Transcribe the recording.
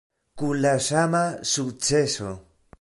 Kun la sama sukceso.